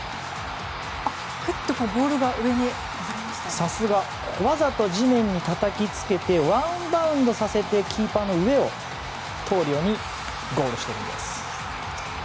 さすが。わざと地面にたたきつけてワンバウンドさせてキーパーの上を通るようにゴールしているんです。